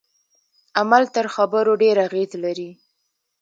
عمل تر خبرو ډیر اغیز لري.